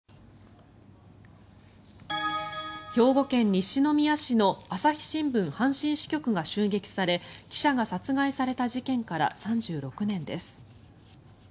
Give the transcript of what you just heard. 兵庫県西宮市の朝日新聞阪神支局が襲撃され記者が殺害された事件から３６年です。